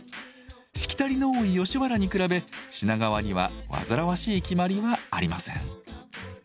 しきたりの多い吉原に比べ品川には煩わしい決まりはありません。